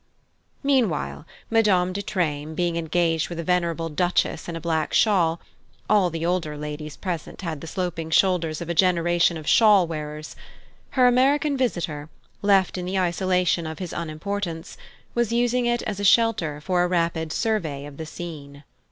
Meanwhile, Madame de Treymes being engaged with a venerable Duchess in a black shawl all the older ladies present had the sloping shoulders of a generation of shawl wearers her American visitor, left in the isolation of his unimportance, was using it as a shelter for a rapid survey of the scene.